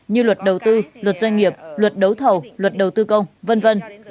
như luật đầu tư luật doanh nghiệp luật đấu thầu luật đầu tư công v v